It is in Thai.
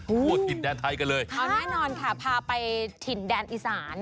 โอ้โหถิ่นแดนไทยกันเลยเอาแน่นอนค่ะพาไปถิ่นแดนอีสาน